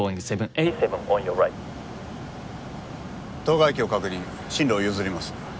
当該機を確認進路を譲ります。